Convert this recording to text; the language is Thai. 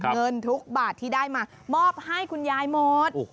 เงินทุกบาทที่ได้มามอบให้คุณยายหมด